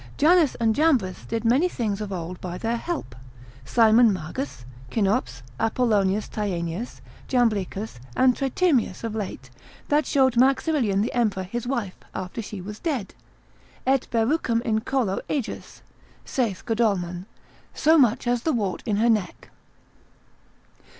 Jannes and Jambres did many things of old by their help; Simon Magus, Cinops, Apollonius Tianeus, Jamblichus, and Tritemius of late, that showed Maximilian the emperor his wife, after she was dead; Et verrucam in collo ejus (saith Godolman) so much as the wart in her neck.